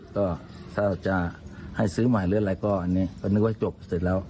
ก็ถ้าจะให้ซื้อใหม่หรืออะไรก็อันนี้ก็นึกว่าให้จบเสร็จแล้ว